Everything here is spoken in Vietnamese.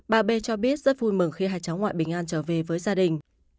bà b cho biết rất vui mừng khi hai cháu ngoại bình an trở về với gia đình